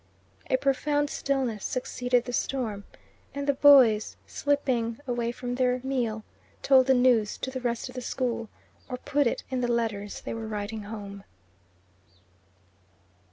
A profound stillness succeeded the storm, and the boys, slipping away from their meal, told the news to the rest of the school, or put it in the letters they were writing home.